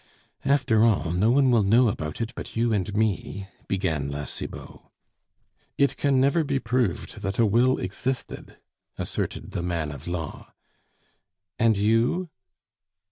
"After all, no one will know about it, but you and me " began La Cibot. "It can never be proved that a will existed," asserted the man of law. "And you?"